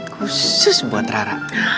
khusus buat rara